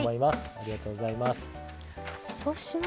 ありがとうございます。